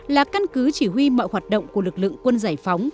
là căn cứ chỉ huy mọi hoạt động của lực lượng quân giải phóng